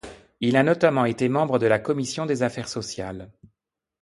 Il a notamment été membre de la commission des affaires sociales.